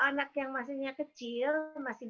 anak yang masihnya kecil masih